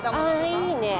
いいね。